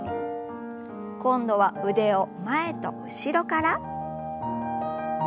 今度は腕を前と後ろから。